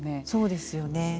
そうですよね。